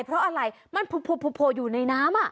เพราะอะไรมันโผล่อยู่ในน้ำ